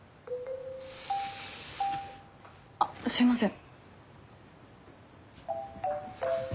あっすいません。